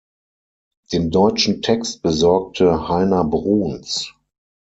Den deutschen Text besorgte Heiner Bruns.